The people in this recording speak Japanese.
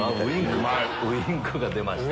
ウインクが出ました！